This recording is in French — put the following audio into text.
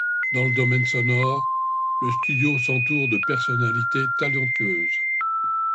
Dans le domaine sonore, le studio s'entoure de personnalités talentueuses.